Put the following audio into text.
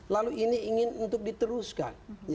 lalu ini ingin untuk diteruskan